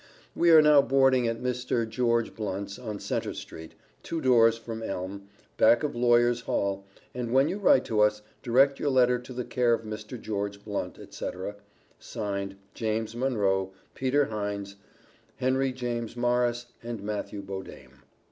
We are now boarding at Mr. George Blunt's, on Centre street, two doors from Elm, back of Lawyer's Hall, and when you write to us, direct your letter to the care of Mr. George Blunt, &c. (Signed), James Monroe, Peter Heines, Henry James Morris, and Matthew Bodame."